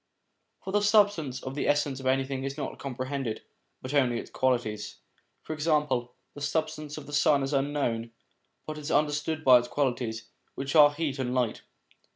For the substance of the essence of anything is not comprehended, but only its qualities. For example, the substance of the sun is unknown, but is under stood by its qualities, which are heat and light.